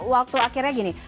waktu akhirnya gini